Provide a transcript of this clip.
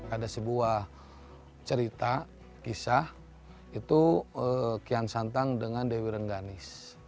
ada sebuah cerita kisah itu kian santang dengan dewi rengganis